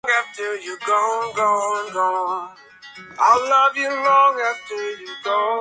Como algunos escritores, padece una extrema fobia social.